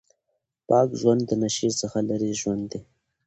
پاک ژوند د نشې څخه لرې ژوند دی.